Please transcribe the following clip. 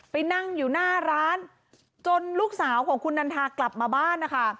ไปนั่งอยู่หน้าร้านจนลูกสาวของคุณนันทากลับมาบ้านนะคะ